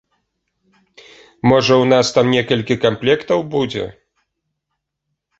Можа, у нас там некалькі камплектаў будзе?